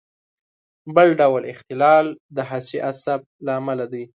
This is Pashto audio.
بل ډول اختلال د حسي عصب له امله دی.